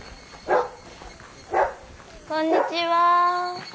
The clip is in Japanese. あっこんにちは。